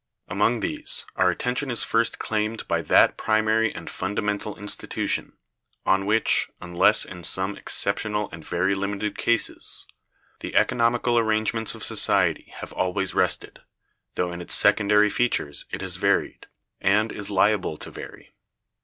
Among these, our attention is first claimed by that primary and fundamental institution, on which, unless in some exceptional and very limited cases, the economical arrangements of society have always rested, though in its secondary features it has varied, and is liable to vary.